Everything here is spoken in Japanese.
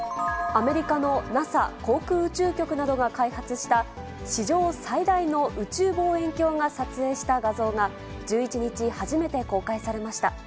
アメリカのＮＡＳＡ・航空宇宙局などが開発した、史上最大の宇宙望遠鏡が撮影した画像が１１日、初めて公開されました。